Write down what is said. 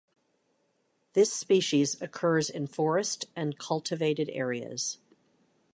This species occurs in forest and cultivated areas.